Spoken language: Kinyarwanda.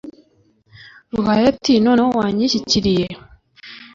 ruhaya iti «noneho wanyishyikiriye,